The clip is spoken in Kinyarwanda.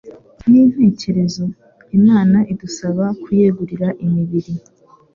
n’intekerezo? Imana idusaba kuyegurira imibiri